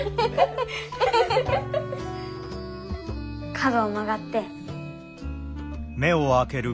角を曲がって。